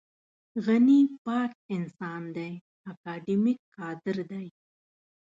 غني پاک انسان دی اکاډمیک کادر دی.